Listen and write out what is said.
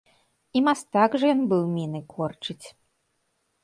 І мастак жа ён быў міны корчыць!